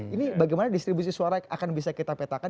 ini bagaimana distribusi suara akan bisa kita petakan